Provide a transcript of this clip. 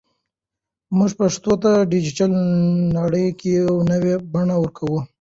موږ پښتو ته په ډیجیټل نړۍ کې یو نوی بڼه ورکوو.